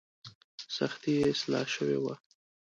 سختي یې اصلاح شوې وه.